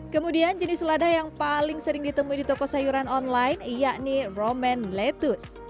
kemudian jenis lada yang paling sering ditemui di toko sayuran online yakni roman lettuce